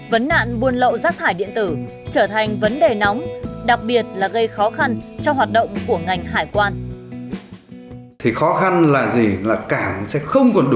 vấn nạn buôn lậu rác thải điện tử trở thành vấn đề nóng đặc biệt là gây khó khăn cho hoạt động của ngành hải quan